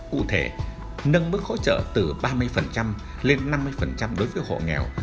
cụ thể nâng mức hỗ trợ từ ba mươi lên năm mươi đối với hộ nghèo